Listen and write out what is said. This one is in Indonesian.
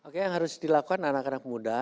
oke yang harus dilakukan anak anak muda